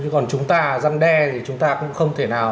còn chúng ta giăn đe thì chúng ta cũng không thể nào